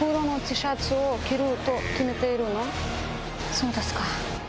そうですか。